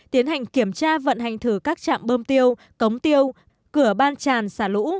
tiến hành kiểm tra vận hành thử các trạm bơm tiêu cống tiêu cửa ban tràn xả lũ